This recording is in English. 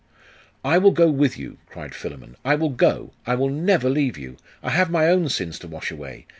'I will go with you!' cried Philammon. 'I will go! I will never leave you! I have my own sins to wash away!